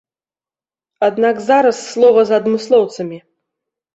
Аднак зараз слова за адмыслоўцамі.